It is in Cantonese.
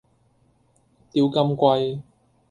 釣金龜